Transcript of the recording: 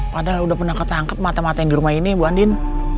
padahal udah pernah ketangkep mata mata yang di rumah ini bu andin